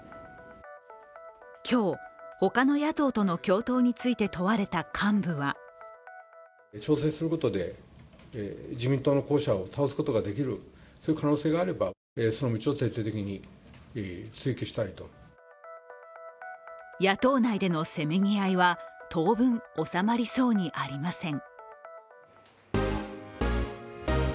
今日、ほかの野党との共闘について問われた幹部は野党内でのせめぎ合いは、当分、収まりそうにありません。